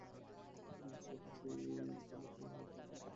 সে এখন ত্রিপলিক্যানে তার দলের সাথে আছে।